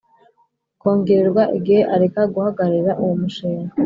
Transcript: kongererwa igihe Areka guhagararira uwo mushinga